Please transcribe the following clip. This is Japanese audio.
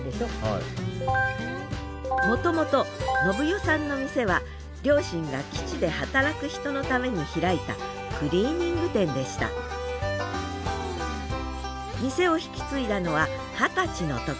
もともと伸代さんの店は両親が基地で働く人のために開いたクリーニング店でした店を引き継いだのは二十歳の時。